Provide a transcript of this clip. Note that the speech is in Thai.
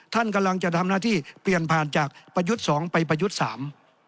ท่านกำลังจะทำหน้าที่เปลี่ยนผ่านจากประยุทธ์สองไปประยุทธ์สาม